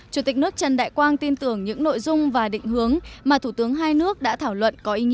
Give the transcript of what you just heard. chủ tịch nước trần đại quang tin tưởng những nội dung và định hướng mà thủ tướng hai nước đã thảo luận có ý nghĩa